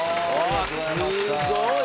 わすごい。